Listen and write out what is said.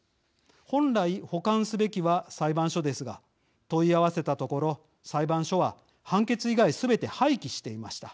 本来、保管すべきは裁判所ですが問い合わせたところ裁判所は、判決以外すべて廃棄していました。